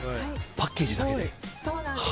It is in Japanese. パッケージだけで？